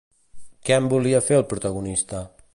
Què en volia fer el protagonista?